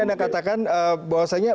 anda katakan bahwasannya